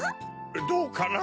どうかな？